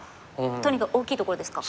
とにかく大きいところですか。